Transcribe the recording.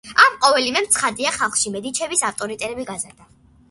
ამ ყოველივემ ცხადია ხალხში მედიჩების ავტორიტეტი გაზარდა.